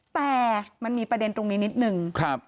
แต่มันมีประเด็นตรงนี้นิดนึง